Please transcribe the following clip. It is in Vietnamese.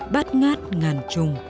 bát ngát ngàn trùng